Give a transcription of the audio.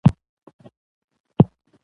چې د جګړې لومړۍ کرښه ده.